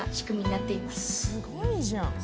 すごいじゃん。